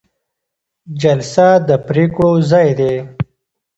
جلسه د پریکړو ځای دی